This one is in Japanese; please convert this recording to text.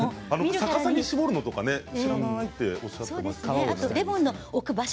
逆さに搾るのとか知らないとおっしゃってましたね。